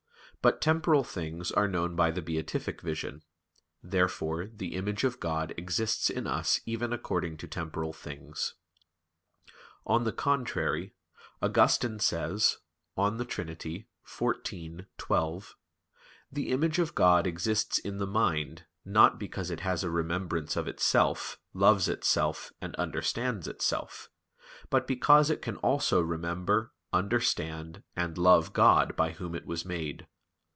But temporal things are known by the beatific vision. Therefore the image of God exists in us even according to temporal things. On the contrary, Augustine says (De Trin. xiv, 12): "The image of God exists in the mind, not because it has a remembrance of itself, loves itself, and understands itself; but because it can also remember, understand, and love God by Whom it was made."